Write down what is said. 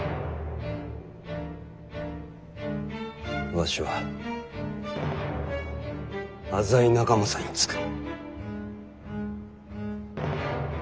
わしは浅井長政につく。